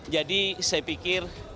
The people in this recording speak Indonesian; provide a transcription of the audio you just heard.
jadi saya pikir